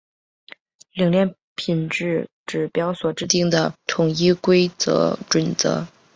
冷链品质指标所订定的统一规范准则。